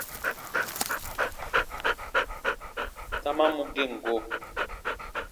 Dama mu gem go.